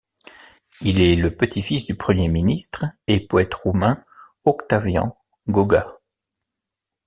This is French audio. Il est le petit-fils du Premier ministre et poète roumain Octavian Goga.